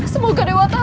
semoga dewa tuhan